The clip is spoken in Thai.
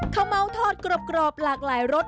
ข้าวเมาทอดกรอบหลากหลายรส